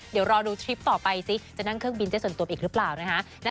เดี๋ยวรอดูทริปต่อไปซิจะนั่งเครื่องบินได้ส่วนตัวไปอีกหรือเปล่านะคะ